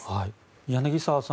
柳澤さん